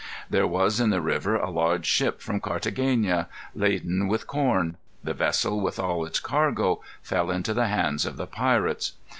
There was in the river a large ship from Carthagena, laden with corn. The vessel, with all its cargo, fell into the hands of the pirates.